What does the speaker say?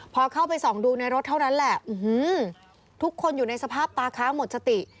พอเข้าไปส่องดูในรถเท่านั้นแหละทุกคนอยู่ในสภาพตาค้างหมดสติ